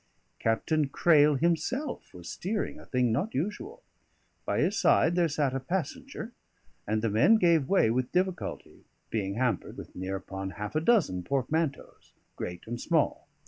Captain Crail himself was steering, a thing not usual; by his side there sat a passenger; and the men gave way with difficulty, being hampered with near upon half a dozen portmanteaus, great and small.